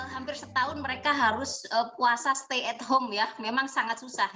hampir setahun mereka harus puasa stay at home ya memang sangat susah